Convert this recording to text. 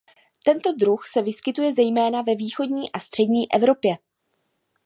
Tento druh se vyskytuje zejména ve východní a střední Evropě.